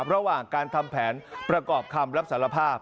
ระหว่างการทำแผนประกอบคำรับสารภาพ